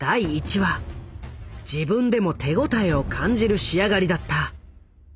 自分でも手応えを感じる仕上がりだった。